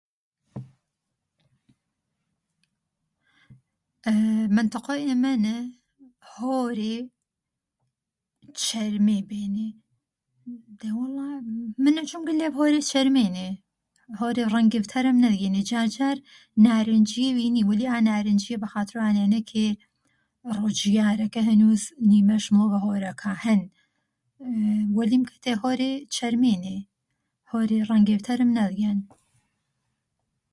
مەنتەقەو ئێمەنە، هۆرێ چەرمێنێ بێنێ. دەی وەڵا من ئەجۆم گرلێڤ هۆرێ چەرمێنێ. هۆرێ رەنگێڤ تەرم نەذیێنێ جار جار نارنجیێ ڤینی وەلی ئا نارنجیە بەخاترۆ ئانەیەنە رۆجیارەکە هەنووز نیمەش مذۆڤە هۆرەکا هەن وەلیمکەتەی هەورێ چەرمێنێ هەورێ رەنگێڤ تەرم نەذیەن.